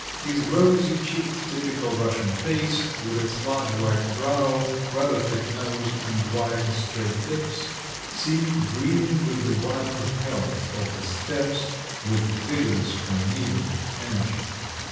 His rosy cheeked typical Russian face, with its large white brow, rather thick nose, and wide straight lips seemed breathing with the wild health of the steppes, with vigorous primaeval energy.